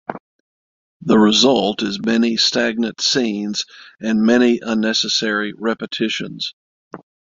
The result is many stagnant scenes and many unnecessary repetitions.